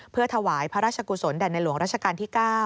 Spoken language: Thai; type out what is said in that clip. เพื่อถวายพระราชกุศลแด่ในหลวงราชการที่๙